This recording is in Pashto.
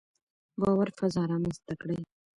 باور فضا رامنځته کړئ.